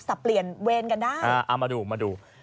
เปลี่ยนเวรกันได้เอามาดูมาดู